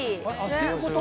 ていうこと？